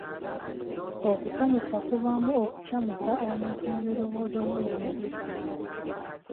Okusanyusa kubaamu okucamusa omuntu mu birowoozo ne mu mubiri.